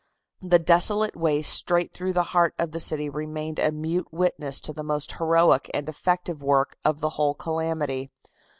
The desolate waste straight through the heart of the city remained a mute witness to the most heroic and effective work of the whole calamity.